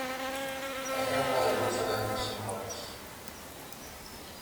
Ejemplos del uso de estos símbolos.